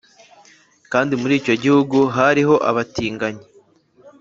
Kandi muri icyo gihugu hariho abatinganyi